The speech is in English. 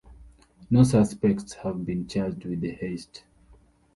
No suspects have been charged with the heist.